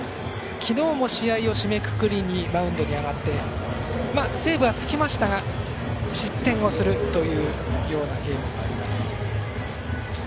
昨日も試合を締めくくりにマウンドに上がってセーブはつきましたが失点はしたというゲームになります。